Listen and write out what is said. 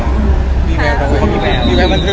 เขามีแมวค่ะมีแมวมาเธอเยอะ